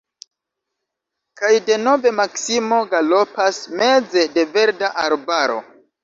Kaj denove Maksimo galopas meze de verda arbaro!